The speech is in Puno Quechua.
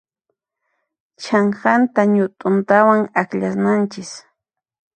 Chhanqanta ñut'untawan akllananchis.